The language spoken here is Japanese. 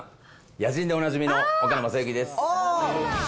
野人でおなじみの岡野雅行です。